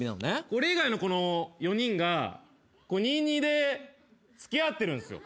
俺以外のこの４人が２２で付き合ってるんすよ。